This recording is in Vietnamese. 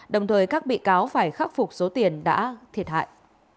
đồng thời các bị cáo phải khắc phục số tiền đã thiệt hại